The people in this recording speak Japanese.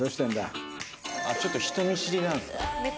ちょっと人見知りなんすね。